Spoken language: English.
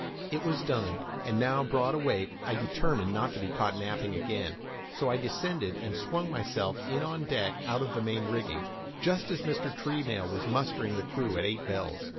It was done; and now broad awake, I determined not to be caught napping again, so I descended and swung myself in on deck out of the main rigging, just as Mr. Treenail was mustering the crew at eight bells.